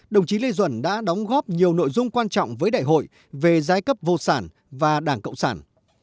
đồng chí lê duẩn đã đóng góp nhiều nội dung quan trọng với đại hội về giai cấp vô sản và đảng cộng sản